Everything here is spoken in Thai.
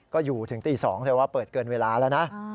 ก็อยู่ถึงตี๒แสดงว่าเปิดเกินเวลาแล้วนะ